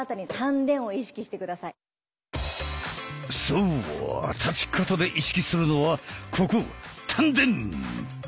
そう立ち方で意識するのはここ丹田！